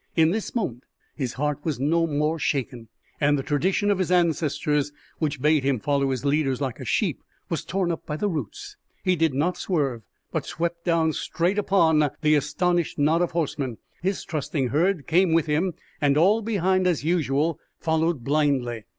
In this moment his heart was no more shaken, and the tradition of his ancestors, which bade him follow his leaders like a sheep, was torn up by the roots. He did not swerve, but swept down straight upon the astonished knot of horsemen; his trusting herd came with him; and all behind, as usual, followed blindly.